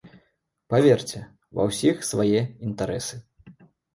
Паверце, ва ўсіх свае інтарэсы.